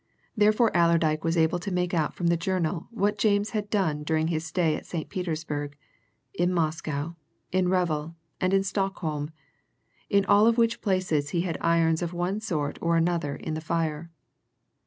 Therefore Allerdyke was able to make out from the journal what James had done during his stay at St. Petersburg, in Moscow, in Revel, and in Stockholm, in all of which places he had irons of one sort or another in the fire.